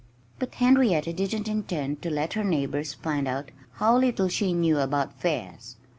But Henrietta didn't intend to let her neighbors find out how little she knew about fairs.